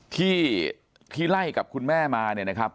ที่ไล่กับคุณแม่มาเนี่ยนะครับ